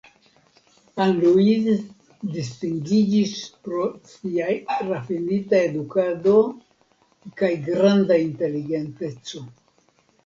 Anne Louise distingiĝis pro siaj rafinita edukado kaj granda inteligenteco.